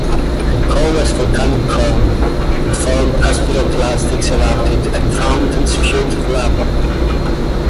A coalesced volcanic cone, it formed as pyroclastics erupted and fountains spewed lava.